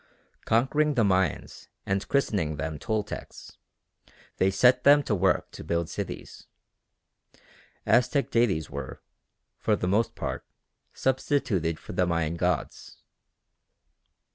Conquering the Mayans and christening them Toltecs, they set them to work to build cities. Aztec deities were, for the most part, substituted for the Mayan gods.